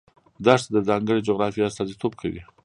دښتې د ځانګړې جغرافیې استازیتوب کوي.